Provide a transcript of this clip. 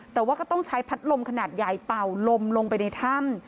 แต่ว่าก็ต้องใช้พัดลมขนาดใหญ่เป่าลมลงไปในถ้ำ